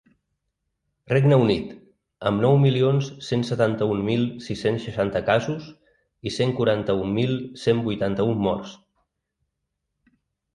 Regne Unit, amb nou milions cent setanta-un mil sis-cents seixanta casos i cent quaranta-un mil cent vuitanta-un morts.